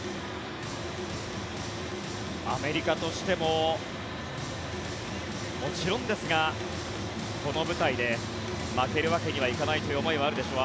アメリカとしてももちろんですがこの舞台で負けるわけにはいかないという思いもあるでしょう。